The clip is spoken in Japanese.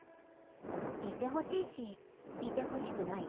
いてほしいしいてほしくない。